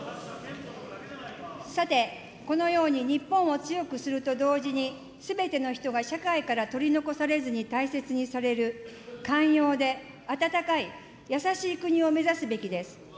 さて、このように日本を強くすると同時にすべての人が社会から取り残されずに大切にされる、寛容で温かい優しい国を目指すべきです。